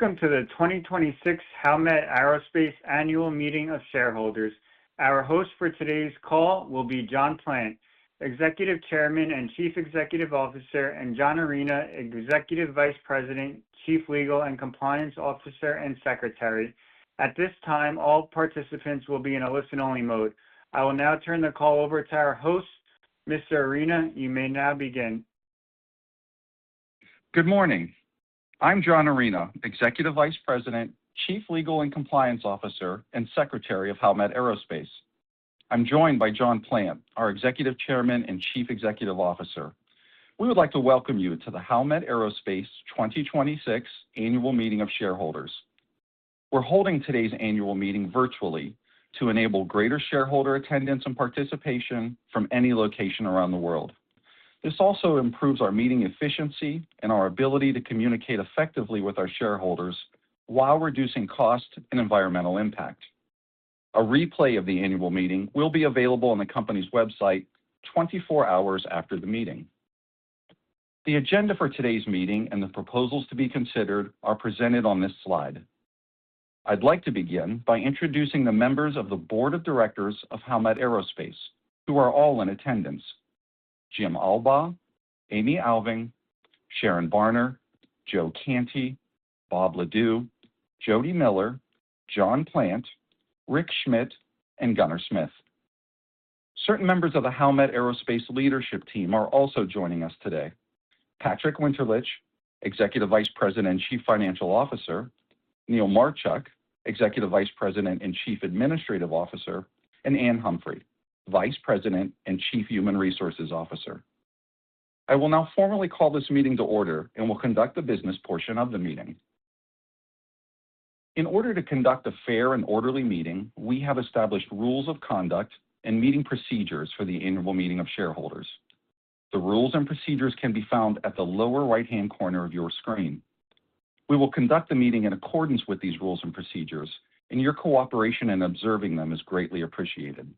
Welcome to the 2026 Howmet Aerospace Annual Meeting of Shareholders. Our host for today's call will be John Plant, Executive Chairman and Chief Executive Officer, and Jonathan Arena, Executive Vice President, Chief Legal and Compliance Officer, and Secretary. At this time, all participants will be in a listen-only mode. I will now turn the call over to our host. Mr. Arena, you may now begin. Good morning. I'm Jonathan Arena, Executive Vice President, Chief Legal and Compliance Officer, and Secretary of Howmet Aerospace. I'm joined by John Plant, our Executive Chairman and Chief Executive Officer. We would like to welcome you to the Howmet Aerospace 2026 Annual Meeting of Shareholders. We're holding today's annual meeting virtually to enable greater shareholder attendance and participation from any location around the world. This also improves our meeting efficiency and our ability to communicate effectively with our shareholders while reducing cost and environmental impact. A replay of the annual meeting will be available on the company's website 24 hours after the meeting. The agenda for today's meeting and the proposals to be considered are presented on this slide. I'd like to begin by introducing the members of the Board of Directors of Howmet Aerospace, who are all in attendance. Jim Albaugh, Amy Alving, Sharon Barner, Joe Cantie, Bob Leduc, Jody Miller, John Plant, Rick Schmidt, and Gunnar Smith. Certain members of the Howmet Aerospace leadership team are also joining us today. Patrick Winterlich, Executive Vice President and Chief Financial Officer, Neil Marchuk, Executive Vice President and Chief Administrative Officer, and Anne Humphrey, Vice President and Chief Human Resources Officer. I will now formally call this meeting to order and will conduct the business portion of the meeting. In order to conduct a fair and orderly meeting, we have established rules of conduct and meeting procedures for the Annual Meeting of Shareholders. The rules and procedures can be found at the lower right-hand corner of your screen. We will conduct the meeting in accordance with these rules and procedures, and your cooperation in observing them is greatly appreciated.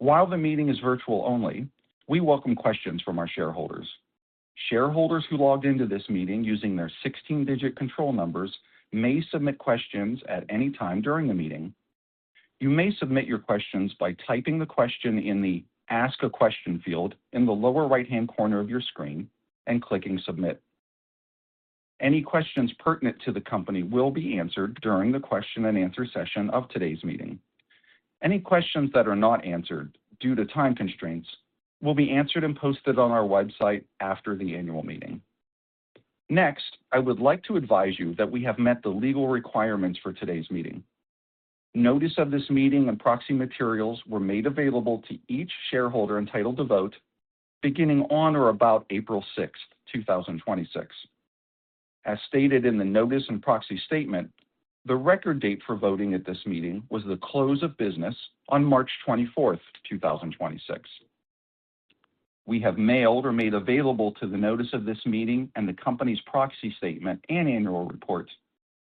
While the meeting is virtual only, we welcome questions from our shareholders. Shareholders who logged into this meeting using their 16-digit control numbers may submit questions at any time during the meeting. You may submit your questions by typing the question in the Ask a Question field in the lower right-hand corner of your screen and clicking Submit. Any questions pertinent to the company will be answered during the question and answer session of today's meeting. Any questions that are not answered due to time constraints will be answered and posted on our website after the annual meeting. Next, I would like to advise you that we have met the legal requirements for today's meeting. Notice of this meeting and proxy materials were made available to each shareholder entitled to vote beginning on or about April 6th, 2026. As stated in the notice and proxy statement, the record date for voting at this meeting was the close of business on March 24th, 2026. We have mailed or made available to the notice of this meeting and the company's proxy statement and annual report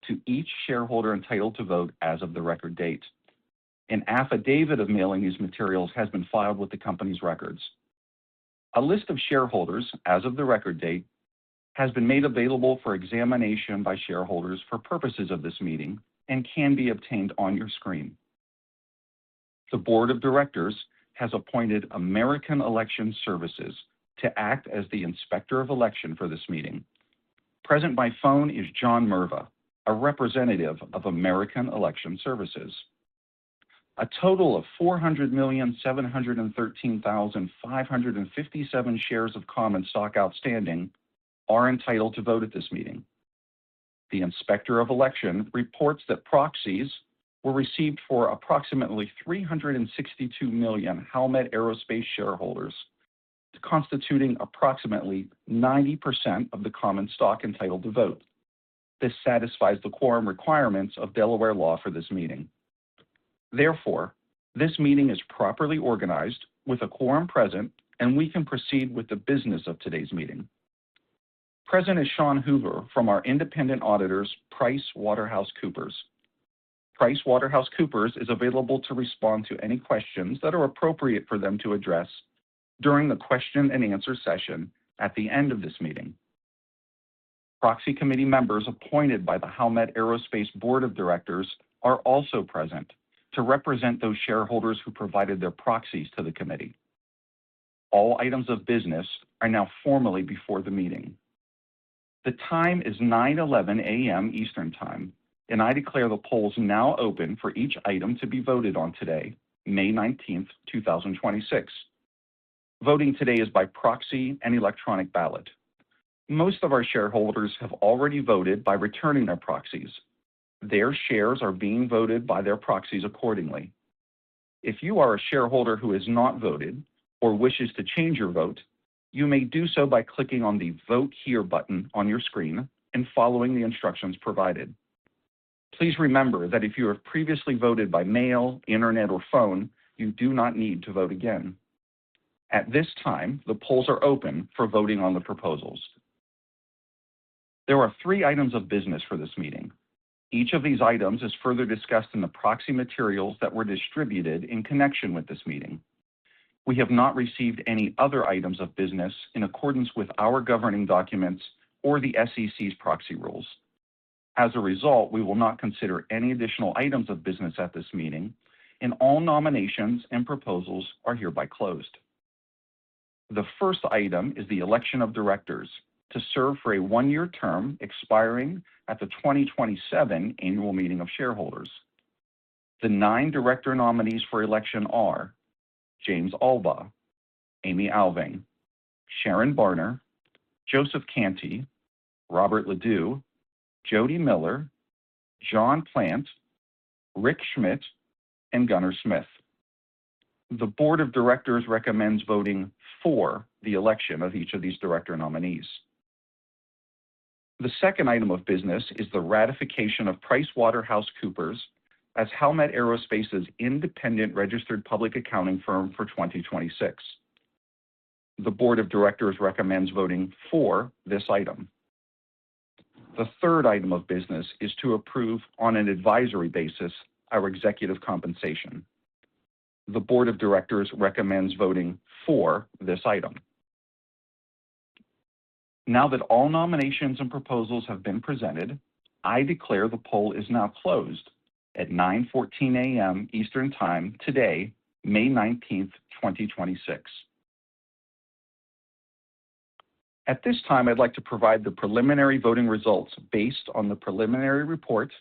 to each shareholder entitled to vote as of the record date. An affidavit of mailing these materials has been filed with the company's records. A list of shareholders as of the record date has been made available for examination by shareholders for purposes of this meeting and can be obtained on your screen. The Board of Directors has appointed American Election Services to act as the Inspector of Election for this meeting. Present by phone is John Mirva, a representative of American Election Services. A total of 400,713,557 shares of common stock outstanding are entitled to vote at this meeting. The Inspector of Election reports that proxies were received for approximately 362 million Howmet Aerospace shareholders, constituting approximately 90% of the common stock entitled to vote. This satisfies the quorum requirements of Delaware law for this meeting. Therefore, this meeting is properly organized with a quorum present, and we can proceed with the business of today's meeting. Present is Shawn Hoover from our independent auditors, PricewaterhouseCoopers. PricewaterhouseCoopers is available to respond to any questions that are appropriate for them to address during the question and answer session at the end of this meeting. Proxy committee members appointed by the Howmet Aerospace Board of Directors are also present to represent those shareholders who provided their proxies to the committee. All items of business are now formally before the meeting. The time is 9:11 A.M. Eastern Time, and I declare the polls now open for each item to be voted on today, May 19th, 2026. Voting today is by proxy and electronic ballot. Most of our shareholders have already voted by returning their proxies. Their shares are being voted by their proxies accordingly. If you are a shareholder who has not voted or wishes to change your vote, you may do so by clicking on the Vote Here button on your screen and following the instructions provided. Please remember that if you have previously voted by mail, internet or phone, you do not need to vote again. At this time, the polls are open for voting on the proposals. There are three items of business for this meeting. Each of these items is further discussed in the proxy materials that were distributed in connection with this meeting. We have not received any other items of business in accordance with our governing documents or the SEC's proxy rules. As a result, we will not consider any additional items of business at this meeting, and all nominations and proposals are hereby closed. The first item is the election of directors to serve for a one-year term expiring at the 2027 Annual Meeting of Shareholders. The nine director nominees for election are James Albaugh, Amy Alving, Sharon Barner, Joseph Cantie, Robert Leduc, Jody Miller, John Plant, Ulrich Schmidt, and Gunnar Smith. The Board of Directors recommends voting for the election of each of these director nominees. The second item of business is the ratification of PricewaterhouseCoopers as Howmet Aerospace's independent registered public accounting firm for 2026. The Board of Directors recommends voting for this item. The third item of business is to approve, on an advisory basis, our executive compensation. The Board of Directors recommends voting for this item. Now that all nominations and proposals have been presented, I declare the poll is now closed at 9:14 A.M. Eastern Time today, May 19th, 2026. At this time, I'd like to provide the preliminary voting results based on the preliminary reports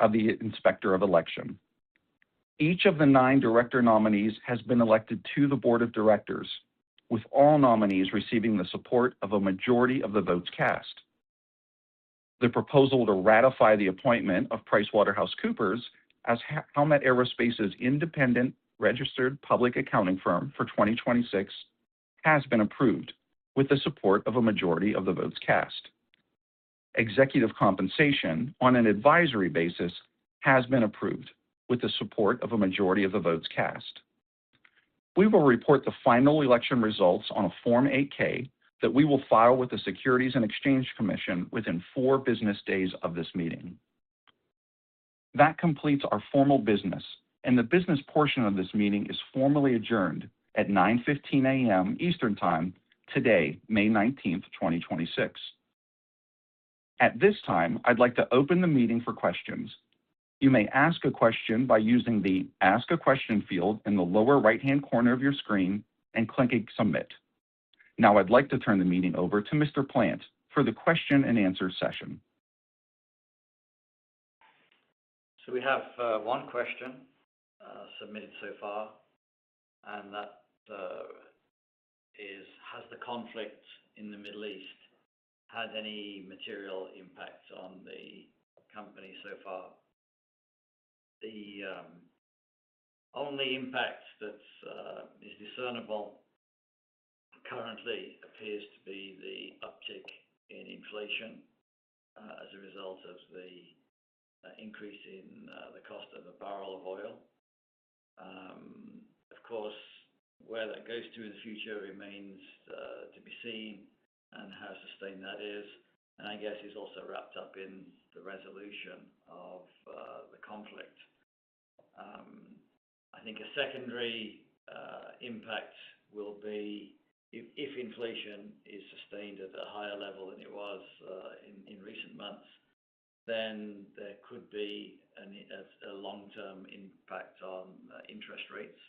of the Inspector of Election. Each of the nine director nominees has been elected to the Board of Directors, with all nominees receiving the support of a majority of the votes cast. The proposal to ratify the appointment of PricewaterhouseCoopers as Howmet Aerospace's independent registered public accounting firm for 2026 has been approved with the support of a majority of the votes cast. Executive compensation on an advisory basis has been approved with the support of a majority of the votes cast. We will report the final election results on a Form 8-K that we will file with the Securities and Exchange Commission within four business days of this meeting. That completes our formal business, and the business portion of this meeting is formally adjourned at 9:15 A.M. Eastern Time today, May 19th, 2026. At this time, I'd like to open the meeting for questions. You may ask a question by using the Ask a Question field in the lower right-hand corner of your screen and clicking Submit. Now I'd like to turn the meeting over to Mr. Plant for the question and answer session. We have one question submitted so far, and that is, has the conflict in the Middle East had any material impact on the company so far? The only impact that is discernible currently appears to be the uptick in inflation as a result of the increase in the cost of a barrel of oil. Of course, where that goes to in the future remains to be seen and how sustained that is, and I guess it's also wrapped up in the resolution of the conflict. I think a secondary impact will be if inflation is sustained at a higher level than it was in recent months, then there could be a long-term impact on interest rates.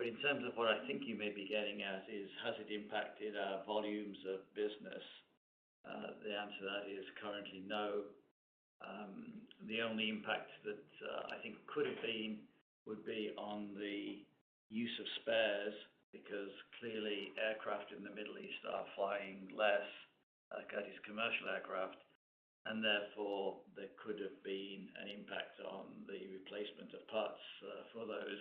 In terms of what I think you may be getting at is has it impacted our volumes of business? The answer to that is currently no. The only impact that I think could have been would be on the use of spares, because clearly aircraft in the Middle East are flying less, okay? These commercial aircraft, and therefore there could have been an impact on the replacement of parts for those.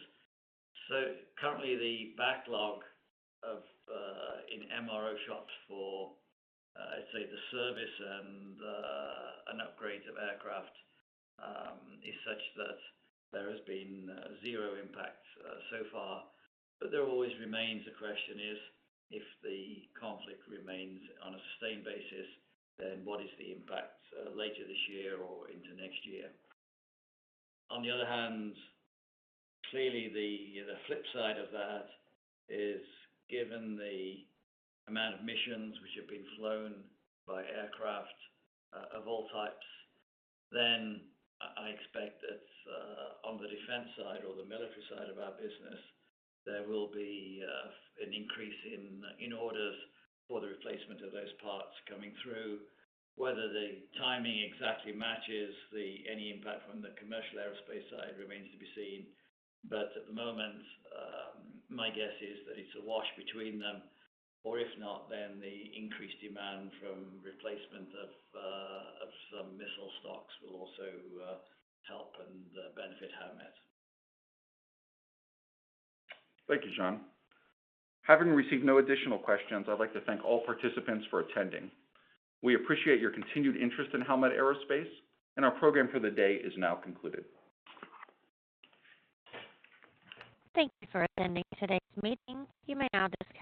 Currently, the backlog in MRO shops for, I'd say the service and upgrade of aircraft, is such that there has been zero impact so far. There always remains a question is, if the conflict remains on a sustained basis, then what is the impact later this year or into next year? On the other hand, clearly the flip side of that is given the amount of missions which have been flown by aircraft of all types, then I expect that on the defense side or the military side of our business, there will be an increase in orders for the replacement of those parts coming through. Whether the timing exactly matches any impact from the commercial aerospace side remains to be seen. At the moment, my guess is that it's a wash between them. If not, then the increased demand from replacement of some missile stocks will also help and benefit Howmet. Thank you, John. Having received no additional questions, I'd like to thank all participants for attending. We appreciate your continued interest in Howmet Aerospace. Our program for the day is now concluded. Thank you for attending today's meeting. You may now disconnect.